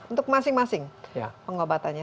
untuk masing masing pengobatannya